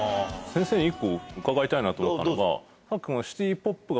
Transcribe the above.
先生に１個伺いたいなと思ったのが。